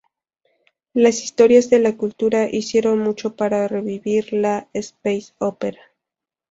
Las historias de La Cultura hicieron mucho para revivir la "space opera".